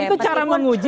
itu cara menguji